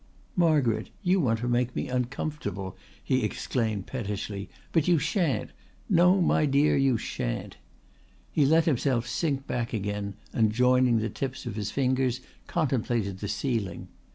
"Margaret, you want to make me uncomfortable," he exclaimed pettishly. "But you shan't. No, my dear, you shan't." He let himself sink back again and joining the tips of his fingers contemplated the ceiling.